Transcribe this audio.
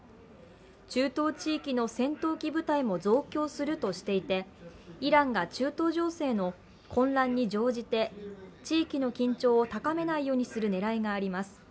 中東地域の戦闘機部隊も増強するとしていて、イランが中東情勢の混乱に乗じて地域の緊張を高めないようにする狙いがあります。